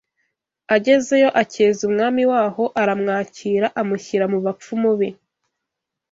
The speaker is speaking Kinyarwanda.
Agezeyo akeza umwami waho aramwakira amushyira mu bapfumu be